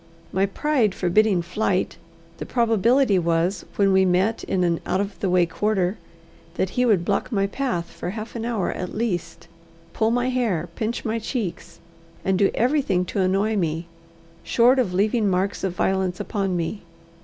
My pride forbidding flight, the probability was, when we met in an out of the way quarter, that he would block my path for half an hour at least, pull my hair, pinch my cheeks, and do everything to annoy me, short of leaving marks of violence upon me.